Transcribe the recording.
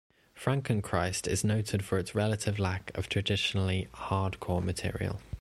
"Frankenchrist" is noted for its relative lack of traditionally 'hardcore' material.